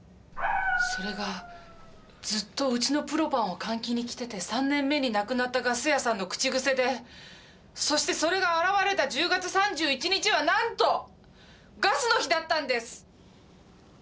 それがずっとうちのプロパンを換気に来てて３年目に亡くなったガス屋さんの口癖でそしてそれが現れた１０月３１日はなんとガスの日だったんです！